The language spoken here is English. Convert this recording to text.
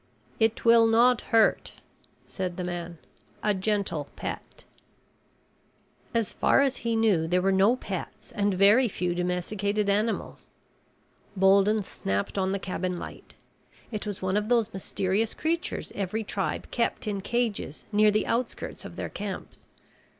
"It will not hurt," said the man. "A gentle pet." As far as he knew, there were no pets and very few domesticated animals. Bolden snapped on the cabin light. It was one of those mysterious creatures every tribe kept in cages near the outskirts of their camps.